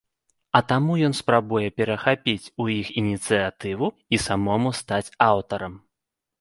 А таму ён спрабуе перахапіць у іх ініцыятыву і самому стаць аўтарам.